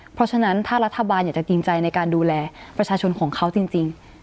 เพราะฉะนั้นถ้ารัฐบาลอยากจะจริงใจในการดูแลประชาชนของเขาจริง